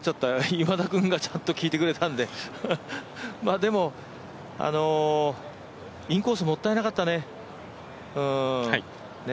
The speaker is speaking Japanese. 今田君がちゃんと聞いてくれたのででも、インコースもったいなかったね、うん。